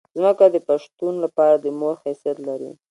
ځمکه د پښتون لپاره د مور حیثیت لري.